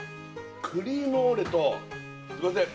クリームオーレとすいません